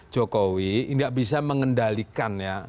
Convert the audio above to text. jokowi nggak bisa mengendalikan ya